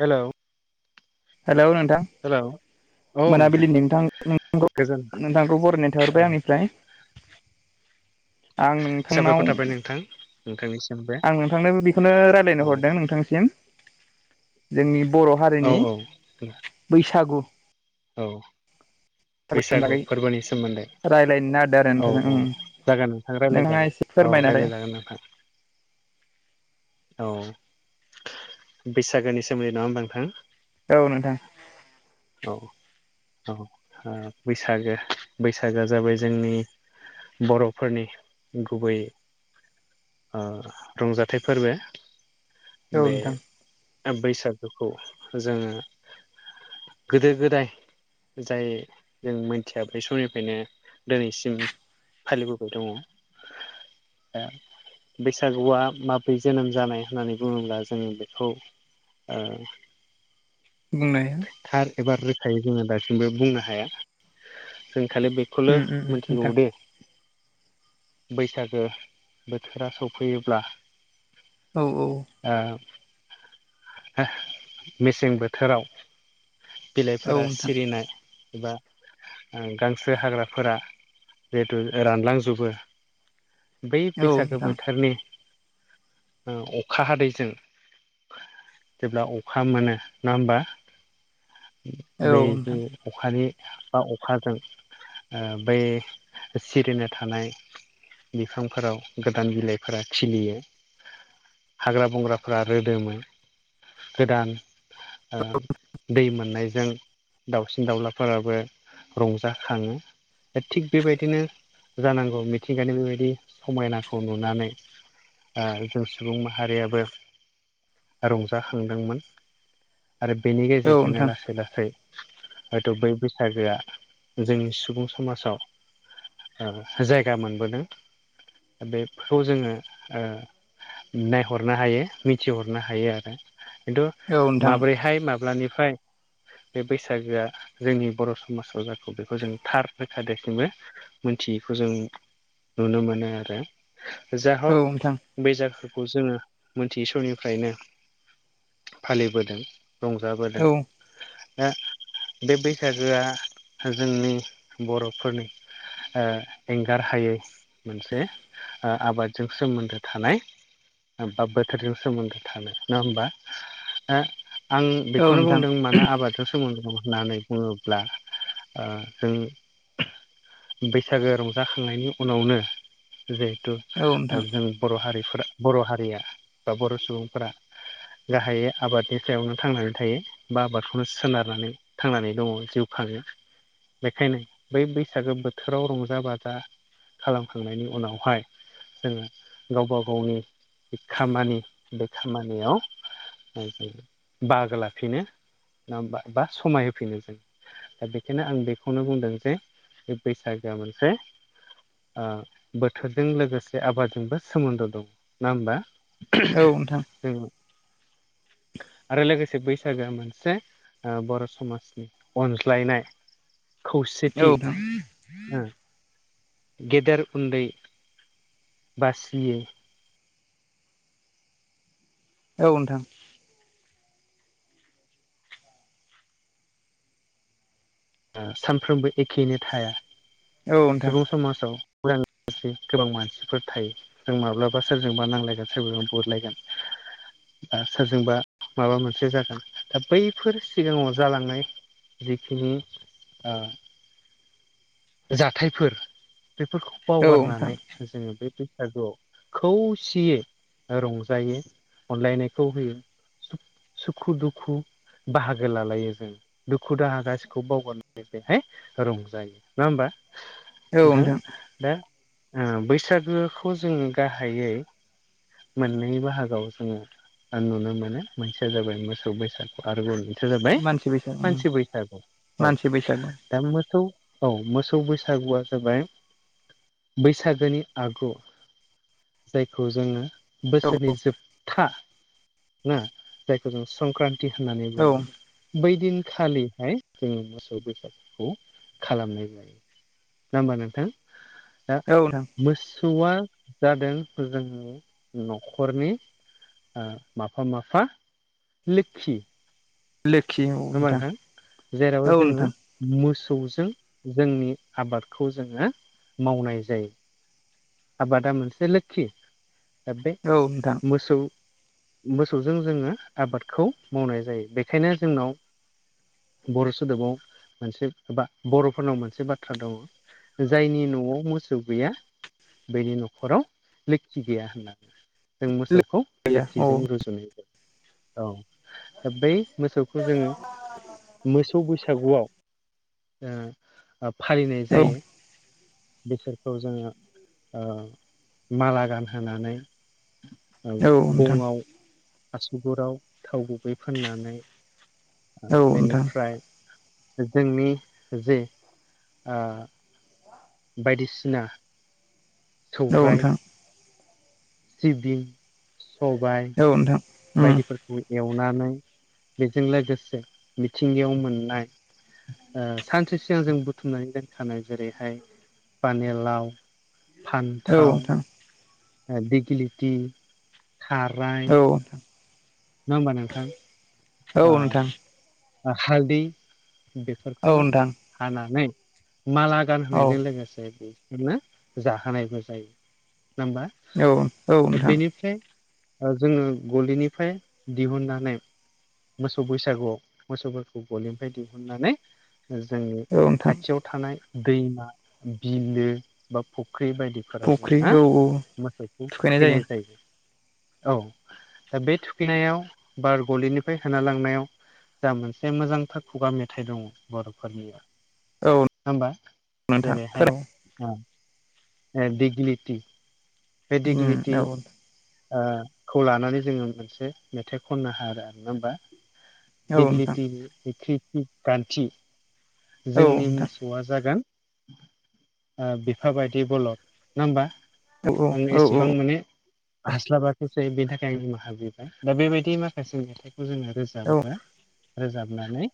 हेल' हेल नोंथां हेल' मोनाबिलिनि नोंथां गोजोन नोंथांखौ बररायनाय औ थाहरबाय आंनिफ्राय आं नोंथांनाव नोंथांनिसिम आं नोंथांनो बेखौनो रायज्लायनो हरदों नोंथांसिम जोंनि बर' औ हारिनि औ बैसागु औ बैसागुनि बैसागु बागै फोरबोनि सोमोन्दै रायज्लायनो नागिरदों आरो औ नोंथां औ ओं जागोन नोंथां नोंथाङा रायलायजागोन एसे औ फोरमायनालाय [inaudible] रायलायजागोन नोंथां औ बैसागोनि सोमोन्दै नङा होनबा नोंथां, औ नोंथां, औ औ बैसागो बैसागोआ जाबाय जोंनि, बर'फोरनि गुबै, ओ रंजाथाइ फोरबो औ बे नोंथां बैसागोखौ जोङो गोदो-गोदाय जाय जों मोनथिया बै समनिफ्रायनो दिनैसिम फालिबो दं ओ बैसागुआ माब्रै जोनोम जानाय होननानै बुङोब्ला जों बेखौ, [unintelligible] बुंनाया थार एबा रोखाय जोङो दासिमबो बुंनो हाया जों खालि बे खोल ओम मिथिगौ नोंथां दे, बैसागो बोथोरा सफैयोब्ला, औ औ। [unintelligible] मेसें बोथोराव औ फोरा नोंथां सिरिनाय एबा, गांसो हाग्राफोरा जिहेथु रानलांजोबो, बै औ नोंथां औ बैसागो नोंथां बोथोरनि अखा हादैजों, जेब्ला अखा मोनो ना ओमबा औ बै नोंथां औ अखानि बा अखाजों बै सिरिनो थानाय, बिफांफोराव गोदान बिलाइफोरा खिलियो, हाग्रा बंग्राफोरा रोदोमोन गोदान, दै मोननायजों, दाउसिन दाउलाफोराबो रंजाखाङो। दा थिग बेबायदिनो जानांगौ मिथिंगानि बेबायदि समायनाखौ नुनानै, जों सुबुं माहारियाबो, रंजाखांदोंमोन आरो बेनि नोंथां गेजेरजोंनो लासै लासै, हैथ' बै बैसागोआ जोंनि सुबुं समाजाव, जायगा मोनबोदों बेखौ जोङो ओ नायहरनो हायो मिथिहरनो हायो आरो खिन्थु औ नोंथां औ नोंथां औ माब्रैहाय माब्लानिफ्राय, बे बैसागोआ जोंनि बर' समाजाव जाखो बेखौ जों थार रोखा देसिमबो, मोनथियैखौ जों नुनो मोनो आरो जा नोंथां औ नोंथां औ नोंथां हग बेै जाखोखौ जोङो मोनथियि समनिफ्रायनो फालिबोदों। औ रंजाबोदों, नोंथां दा बे बैसागोआ जोंनि बर'फोरनि, ओ एंगार हायै मोनसे, ओ आबादजों सोमोन्दो थानाय, बा बोथोरजों सोमोन्दो थानो नङा होमबा, आं बेखौनो बुंदों मानो आबाद, सोमोन्दो होननानै बुङोब्ला ओ जों, बैसागो रंजाखांनायनि उनावनो जिहेथु जों, बर' हारिफोरा बर' हारिया बा बर' सुबुंफोरा, गाहायै आबादनि सायावनो थांनानै थायो बा आबादखौनो सोनारनानै थांनानै दङ जिउ खाङो। बेखायनो बै बैसागो बोथोराव रंजा बाजा। खालामखांनायनि उनावहाय। जोङो गावबा गावनि खामानि बे खामानियाव, बाहागो लाफिनो ना बा समाय होफिनो जों दा बेखायनो आं बेखौनो बुंदों जे बे बैसागोआ मोनसे बोथोरजों लोगोसे आबादजोंबो सोमोन्दो दंङ नङा होमबा। ज आरो लोगोसे बैसागो मोनसे बर' समाजनि अनज्लायनाय खौसेथि औ गेदेर उन्दै बासियै औ नोंथां। सानफ्रोमबो एखेयनो थाया नोंथां सुबुं समाजाव लोगोसे गोबां मानसिफोर थायो। जों माब्लाबा सोरजोंबा नांलायगोन सोरजों बुरलायगोन सोरजोंबा माबा मोनसे जागोन दा बैफोर सिगांङाव जालांनाय। जिखिनि ओ जाथायफोर बेफोरखौ औ नोंथां बावगारनानै जोंङो बे बैसागुआव खौसेयै रंजायो। अनलायनायखौ होयो सुखु दुखु बाहागो लालायो जों दुखु दाहा गासिखौबो बावगारनानै बेहाय रंजायो। नङा होमबा नोंथां? दा बैसागोखौ जोंङो गाहायै मोननै बाहागआव जोंङो नुनो मोनो मोनसेया जाबाय मोसौव बैसाद आरोबाव मोनसे जाबाय मानसि बैसागु मानसि बैसागु औ मानसि बैसागु दा मोसौ औ मोसौ बैसागुआ जाबाय बैसागोनि आगु जायखौ जोंङो औ बोसोरनि जोबथा ना जायखौ जों संक्रान्ति होननानै औ बुंङो बै दिनखालिहाय जोंङो मोसौव बैसागुखौ खालामनाय जायो नंङा होमबा नोंथां दा औ नोंथां मोसौआ जादों जोंनि न'खरनि माफा माफा लोखि। लेखि नंङा होनबा नोंथां? जेराव जोङो मोसौजों जोंनि आबादखौ जोंङो मावनाय जायो। आबादा मोनसे लोखि दा बे औ नोंथां। मोसौव मोसौवजों जोंङो आबादखौ मावनाय जायो बेखायनो जोंनाव बर' सोदोबाव मोनसे बा बर'फोरनाव मोनसे बाथ्रा दंङ। जायनि न'आव मोसौव गैया बनि न'खराव लोखि गैया होननानै जों मोसौवखौ गैया औ लोखिजों रुजुयो औ दा बै मोसौवखौ जोंङो मोसौव बैसागुआव फालिनाय औ जायो बिसोरखौ जोंङो माला गानहोनानै औ नोंथां गंआव आसुगुराव थाव गुबै फाननानै औ नोंथां बेनिफ्राय जोंनि जे बायदिसिना औ सौराइ नोंथां। सिबिं सबाय औ नोंथां उम बायदि एवनानै बेजों लोगोसे मिथिंगायाव मोननाय सानसे सिगां जों बुथुमनानै दोनखानाय जेरैहाय पानिलाव औ नोंथां औ नोंथां फान्थाव बिगलिथि औ नोंथां औ नोंथां खाराय औ नङ ह होनोमब नोंथां? औ ओ नोंथां। हालदै बेफोरखौ हानानै माला गानहोनायजों लोगोसे बेसोरनो जाहोनायबो जायो नङा होमबा नोंथां बेनिफ्राय जोङो गलिनिफ्राय दिहुननानै मोसौ बैसागुआव मोसौफोरखौ गलिनिफ्राय दिहुननानै जोंनि औ नोंथां खाथियाव थानाय दैमा बिलो बा फख्रि बायदि फोराव फुख्रि जोङो औ औ मोसौखौ थुखैनाय जायो। औ दा बे थुखैनायाव बार गलिनिफ्राय होना लांनायाव जा मोनसे मोजांथार खुगा मेथाइ दङ बर'फोरनिया औ होमबा नोंथां जेरैहाय फोराव बे दिगलिलिथि बे उम दिगलिलिथि औ खौ लानानै जोङो मोनसे मेथाइ खननो हादों नङा होमबा? औ नोंथां दिगलिटि ख्रि ख्रि गान्थि औ जोंनि नोंथां मुस सौवा जागोन बिफा बायदि बलद नङा होमबा? औ औ आंने औ एसेबां माने हास्लाबाखैसै बेनि थाखाय आं निमाहा बिबाय दा बेबायदि माखासे मेथाइखौ जोङो औ रोजाबो। रोजाबनानै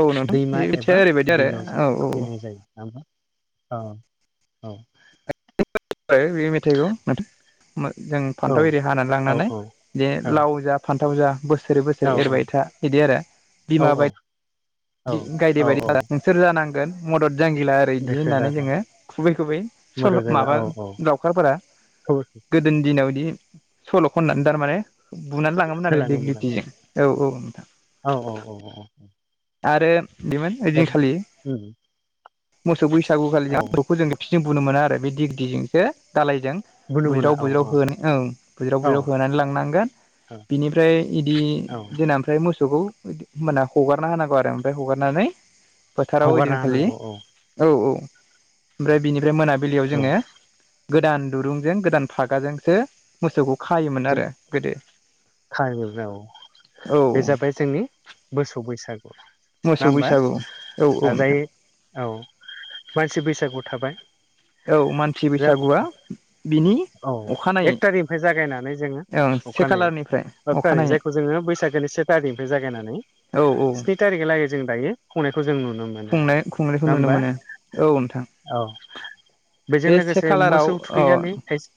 औ नोंथां दैमा बे मिथिया एबा ओरैबायदि बिलोआव जों बिलोयाव जों आरो औ थुखैनाय जायो नङा होमबा। औ औ बे मेथाइखौ माथो जों औ फान्थाव एरि हानानै औ लांनानै औ जे लाव जा फानथाव जा बोसोरै औ बोसोर एरबाय था इदि आरो बिमा औ बाय औ गायदे औ बायदि औ नोंसोर जानांगोन मदद जांगिला। ओ बिदि दोखो होननानै दाजा जोङो खुबै खुबै मोदो सल' जोला औ माबा औ लावखारफोरा खौ गोदोनि दिनाव बिदि सल' खननानै थारमाने बुनानै लाङोमोन आरो होलाङोमोन दगलिटिजों। औ औ नोंथां। औ औ औ औ आरो बेमोन दा ओइदिनखालि उम मोसौ औ बैसागुखालि [unintelligible] बिजों बुनो मोनो आरो बे दिगदिजोंसो दालायजों बुनो मोना बुज्राव औ बुज्राव औ होना ओं बुज्राव औ बुज्राव होनानै लांनांगोन। औ बिनिफ्राय इदि औ जोनाम ओमफ्राय मोसौखौ होमबाना हगारना होनांगौ आरो ओमफ्राय हगारनानै फोथाराव हगारना ओइदिनखालि होनांगौ औ औ ओमफ्राय बिनिफ्राय मोनाबिलियाव औ जोङो गोदान दुरुंजों गोदान फागाजोंसो मोसौखौ खायोमोन आरो गोदो। खायोमोन औ औ बे जाबाय जोंनि मोसौ बैसागु। नङा मोसौ होमबा बैसागु औ औ आरै नोंथां औ मानसि बैसागुआव थाबाय। औ मानसि ग्रोब बैसागुआ बिनि औ अखानायै एक थारिखनिफ्राय जागायना आमफाय जोङो ओं से अखानायै खालारनिफ्राय थारिख अखानायै जायखौ जोङो बैसागोनि से थारिखनिफ्राय जागायनानै औ औ स्नि एक थारिख लागै जों दायो खंनायखौ जों नुनो मोनो। मोनो खुंनाय खुंनायखौ नङा नुनो होमबा मोनो औ नोंथां औ। बेजों बे से लोगोसे खालाराव मोसौ औ थुखैखालि खायसे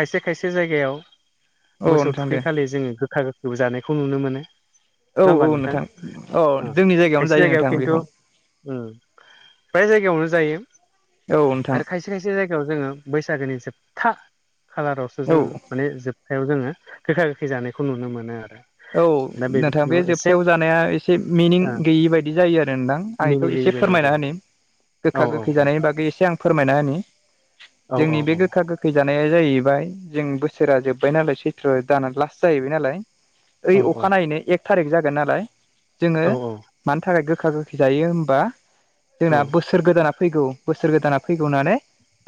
खायसे खायसे जायगायाव औ मोसौ नोंथां दे थुखै खालि जोङो गोखा गोखै जानायखौ नुनो मोनो। औ नङा औ होमबा नोंथां औ जोंनि जायगायावनो जायो नोंथां बेखौ। उम बे जायगायावनो जायो औ नोंथां आरो खायसे खायसे खायसे जायगायाव जोङो बैसागोनि जोबथा खालारावसो औ जोङो माने जोबथायाव जोङो गोखा गोखै जानायखौ नुनो मोनो आरो। औ दा नोंथां बे बिथिङाव एसे जोबथायाव जानाया एसे मिनिं ओ गैयि बायदि जायो आरो नोंथां आं बेखौ मिनिं गैयि एसे बायदि फोरमायना जायो होनो। गोखा औ गोखै औ जानायनि बागै एसे आं फोरमायना होनि औ औ जोंनि बे औ गोखा गोख फैजानाया जाहैबाय जों बोसोरा जोब्बाय नालाय सैथ्र' जाना लास्ट जाहैबाय नालाय ओइ औ औ अखानायैनो एक थारिख जागोन नालाय जोंङो औ मानि थाखाय गोखा गोखै जायो हबा जोंना बोसोर गोदाना फैगौ बोसोर गोदाना फैगौ होननानै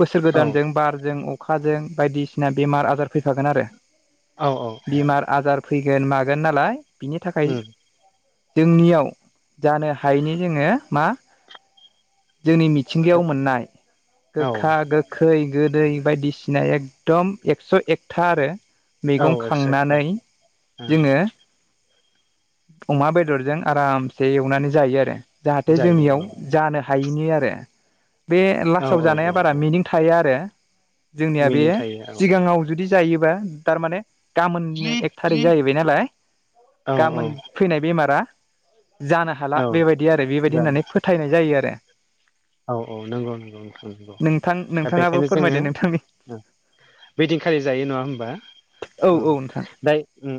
बोसोर औ गोदानजों बारजों अखाजों बायदिसिना बेमार आजार फैखागोन आरो औ औ बेमार आजार फैगोन मा गोन नालाय बिनि थाखाय जोंनियाव जानो हायैनि जोंङो मा जोंनि थिंगायाव मोननाय गोखा उम गो खै गोदै बायदिसिना एकदम एकस' एकथा आरो औ मैगं एकस' एकथा खांनानै ओ जोंङो। अमा बेदरजों आरामसे एवनानै जायो आरो जाहाथे जायो जोंनियाव औ जानो थायैनि आरो बे औ लासाव औ औ जानाया बारा औ मिनिं थाया आरो जोंनिया बे मिनिं थायो औ सिगाङाव जुदि जायोबा तारमाने गाबोन एक थारिक जाहैबाय नालाय औ औ गाबोन फैनाय बेमारा जानो हाला औ बेबायदि आरो बेबायदि जानो होननानै फोथायनाय जायो आरो औ औ नंगौ नंगौ नोंथांंगौ नोंथां दा नोंथाङाबो बेखायनो फोरमायदो नोंथांनि जोंङो। बैदिनखालि जायो नङा हबा औ जाय उम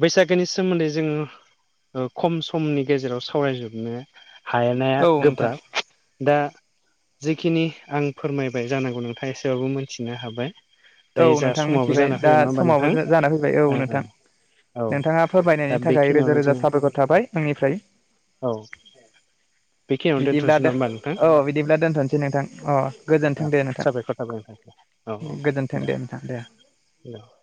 बैसागोनि सोमोन्दै जोङो खम समनि गेजेराव सावरायजोबनो हायनाया औ नोंथां गोब्राब दा जिखिनि आं फोरमायबाय जानांगौ नोंथाङा एसेबाबबो मिथिनो हाबाय औ दायो जा नोंथां समाबो मिथिबाय जाना दा फैबाय नंङा होमबा समावबो जाना फैबाय औ नोंथां ओ नोंथां औ नोंथाङा फोरमायनायनि दा थाखाय रोजा बेखिनियावनो जों रोजा साबायखर थाबाय आंनिफ्राय औ बेखिनियावनो बिदिब्ला दोनथ'नोसै नङा दोन होमबा नोंथां औ बिदिब्ला दोनथ'नोसै नोंथां अ गोजोनथों ओ दे नोंथां साबायखर थाबाय नोंथां औ उम गोजो दे नोंथां दे नोंथां दे [unintelligible]